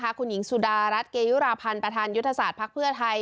ทางติดตามนี้พี่สุดารัสเกยุราพันธ์ประธานยุทธศาสตร์พักเพื่อไทย